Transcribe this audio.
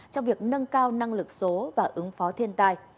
trong việc nâng cao năng lực số và ứng phó thiên tai